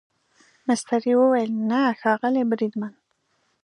مستري وویل نه ښاغلی بریدمن.